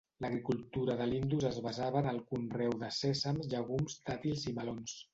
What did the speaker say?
L'agricultura de l'Indus es basava en el conreu de sèsam, llegums, dàtils i melons.